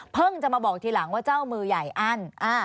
จะมาบอกทีหลังว่าเจ้ามือใหญ่อั้น